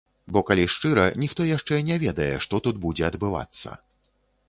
Бо калі шчыра, ніхто яшчэ не ведае, што тут будзе адбывацца.